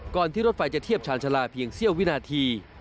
ที่รถไฟจะเทียบชาญชาลาเพียงเสี้ยววินาที